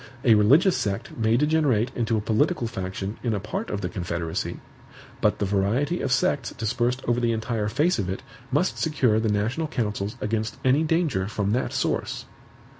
A religious sect may degenerate into a political faction in a part of the Confederacy; but the variety of sects dispersed over the entire face of it must secure the national councils against any danger from that source.